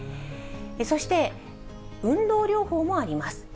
そして運動療法もあります。